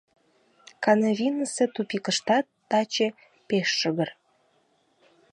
Канавинысе «тупикыштат» таче пеш шыгыр.